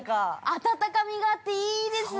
◆温かみがあっていいですね。